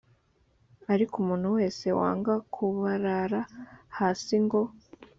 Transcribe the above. ariko umuntu wese wanga kubarara hasi ngo